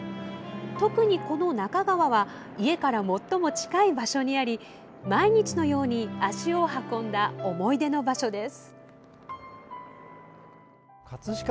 特に、この中川は家から最も近い場所にあり毎日のように足を運んだ思い出の場所です。